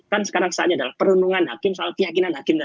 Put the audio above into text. kan sekarang saatnya adalah perundungan hakim soal keyakinan hakim